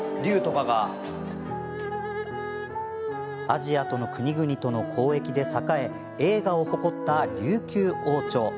アジアの国々との交易で栄え栄華を誇った琉球王朝。